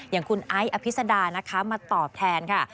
อย่างคุณไอ้อภิษดานะคะมาตอบแทนค่ะ